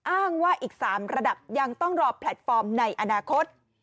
อ้างว่าอีก๓ระดับยังต้องรอแพลตฟอร์มในอนาคต